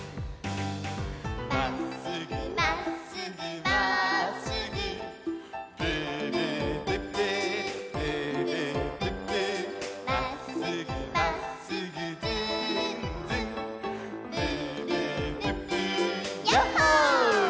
「まっすぐまっすぐまっすぐ」「ブーブープップーブーブープップー」「まっすぐまっすぐずんずん」「ブーブープップーヤッホー！」